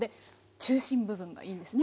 中心部分がいいんですね？